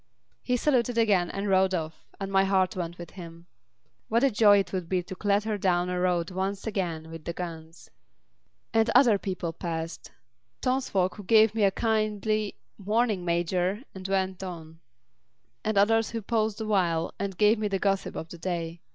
He saluted again and rode off, and my heart went with him. What a joy it would be to clatter down a road once again with the guns! And other people passed. Townsfolk who gave me a kindly "Morning, Major!" and went on, and others who paused awhile and gave me the gossip of the day.